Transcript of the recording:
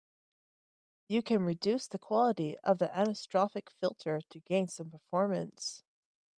You can reduce the quality of the anisotropic filter to gain some performance.